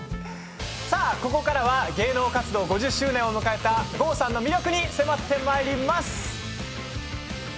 ここからは芸能活動５０周年を迎えた郷さんの魅力に迫ってまいります。